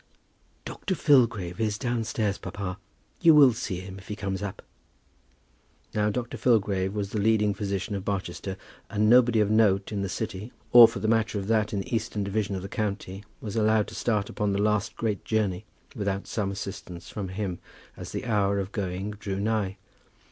"Dr. Filgrave is downstairs, papa. You will see him, if he comes up?" Now Dr. Filgrave was the leading physician of Barchester, and nobody of note in the city, or for the matter of that in the eastern division of the county, was allowed to start upon the last great journey without some assistance from him as the hour of going drew nigh.